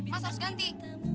mas harus ganti